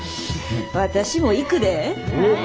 私も行くで。